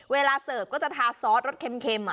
เวลาเสิร์ฟก็จะทาซอสรสเค็ม